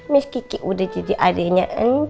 mis kiki udah jadi adiknya